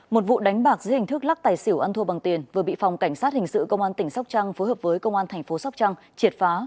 một vụ đánh bạc dưới hình thức lắc tài xỉu ăn thua bằng tiền vừa bị phòng cảnh sát hình sự công an tp hcm phối hợp với công an tp hcm triệt phá